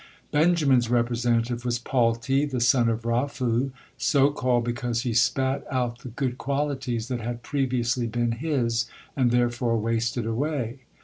Benjamin's representative was Palti, the son of Raphu, so called because "he spat out the good qualities that had previously been his, and therefore wasted away."